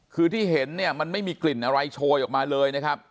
คือที่เห็นเนี่ยมันไม่มีกลิ่นอะไรโชยออกมาเลยนะครับ